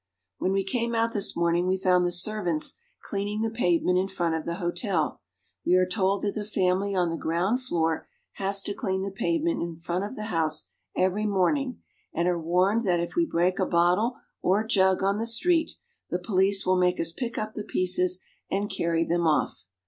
When we came out this morning we found the servants cleaning the pavement in front of the hotel. We are told that the family on the ground floor has to clean the pave ment in front of the house every morning, and are warned BERLIN. 205 that if we break a bottle or jug on the street, the police will make us pick up the pieces and carry them off.